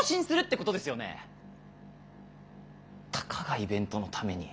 たかがイベントのために。